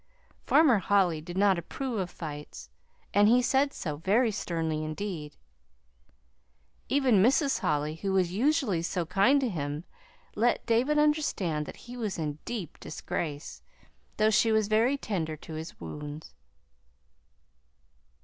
Farmer Holly did not approve of fights, and he said so, very sternly indeed. Even Mrs. Holly, who was usually so kind to him, let David understand that he was in deep disgrace, though she was very tender to his wounds.